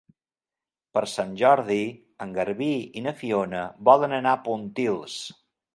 Per Sant Jordi en Garbí i na Fiona volen anar a Pontils.